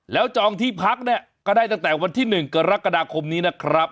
แล้วจองที่พักเนี่ยก็ได้ตั้งแต่วันที่๑กรกฎาคมนี้นะครับ